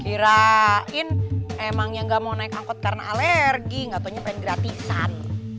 irain emangnya nggak mau naik angkot karena alergi gak taunya pengen gratisan